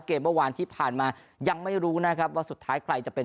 เมื่อวานที่ผ่านมายังไม่รู้นะครับว่าสุดท้ายใครจะเป็น